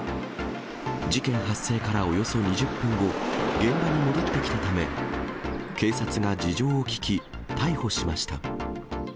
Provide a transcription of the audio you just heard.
事件発生からおよそ２０分後、現場に戻ってきたため、警察が事情を聴き、逮捕しました。